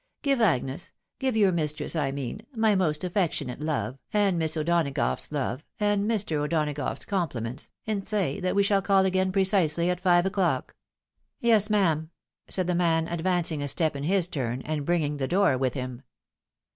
Give Agnes — ^give your mistress, I mean— my most affectionate. love, and Miss O'Dona gough's love, and Mr. O'Donagough's compliments, and say that we shall call again precisely at five o'clock." " Yes, ma'am," said the man, advancing a step in his turn, and bringing the door with him.